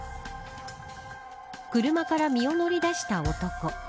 車から身を乗り出した男。